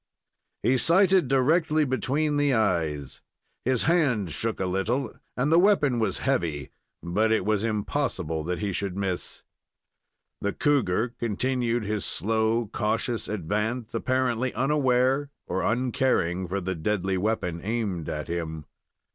He sighted directly between the eyes. His hand shook a little, and the weapon was heavy, but it was impossible that he should miss. The cougar continued his slow, cautious advance, apparently unaware or uncaring for the deadly weapon aimed at him.